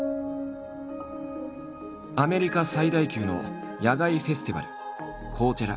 アメリカ最大級の野外フェスティバル